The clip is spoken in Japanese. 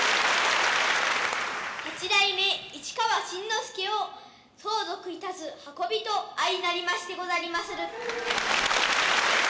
八代目市川新之助を相続いたす運びと相成りましてござりまする。